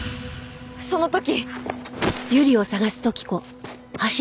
その時。